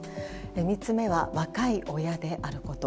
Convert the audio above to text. ３つ目は若い親であること。